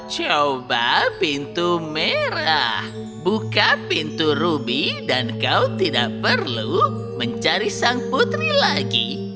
coba pintu merah buka pintu ruby dan kau tidak perlu mencari sang putri lagi